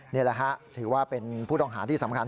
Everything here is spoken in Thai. นี่แหละฮะถือว่าเป็นผู้ต้องหาที่สำคัญ